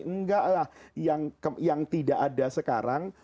enggaklah yang tidak ada sekarang